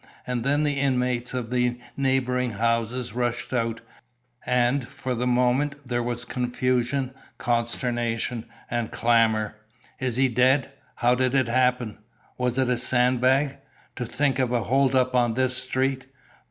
And then the inmates of the neighbouring houses rushed out, and, for the moment, there was confusion, consternation and clamour. "Is he dead?" "How did it happen?" "Was it a sandbag?" "To think of a holdup on this street!"